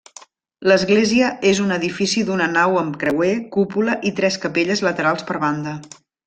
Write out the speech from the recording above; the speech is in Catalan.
L'església és un edifici d'una nau amb creuer, cúpula i tres capelles laterals per banda.